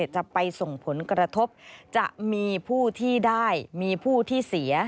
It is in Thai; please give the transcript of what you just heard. จะไปส่งผลกระทบจะมีผู้ที่ได้มีผู้ที่เสีย